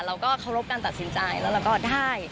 เราก็เคารพการตัดสินใจแล้วเราก็ได้